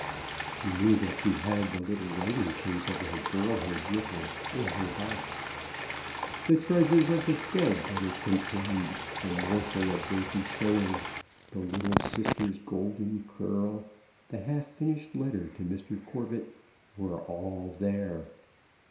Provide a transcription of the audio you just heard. She knew that she had the little writing case of her girlhood with her, in her box. The treasures of the dead that it contained, the morsel of dainty sewing, the little sister's golden curl, the half finished letter to Mr. Corbet, were all there.